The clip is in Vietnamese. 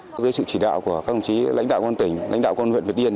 dưới sự chỉ đạo của các công chí lãnh đạo quân tỉnh lãnh đạo quân huyện việt điền